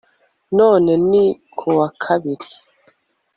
none ni kuwa kabiri